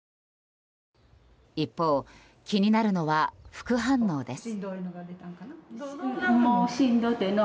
一方、気になるのは副反応です。